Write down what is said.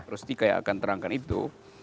rustika yang akan terangkan itu